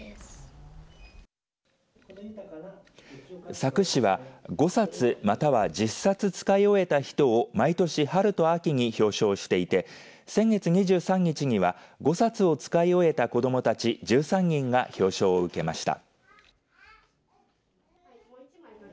佐久市は５冊または１０冊を使い終えた人を毎年春と秋に表彰していて先月２３日には５冊を使い終えた子どもたち１３人が表彰を受けました。